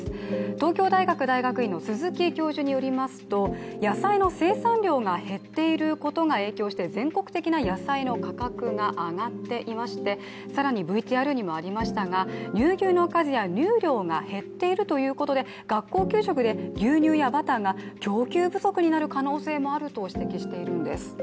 東京大学大学院の鈴木教授によりますと社会の生産量が減っていることが影響して全国的に価格が上がっていまして、更に、ＶＴＲにもありましたが、乳牛の数や乳量が減っているということで学校給食で牛乳やバターが供給不足になる可能性もあると指摘しているんです。